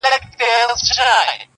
وئيل ئې دلته واړه د غالب طرفداران دي -